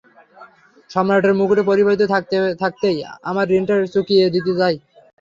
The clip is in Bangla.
সম্রাটের মুকুট পরিহিত থাকতে থাকতেই আমার ঋণটা চুকিয়ে দিতে চাই।